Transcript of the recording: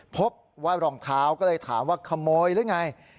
พบว่ารองเท้าก็เลยถามว่าขโมยหรือไง